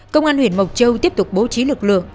công an huyện mộc châu tiếp tục bố trí lực lượng